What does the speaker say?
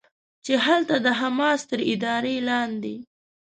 چې هلته د حماس تر ادارې لاندې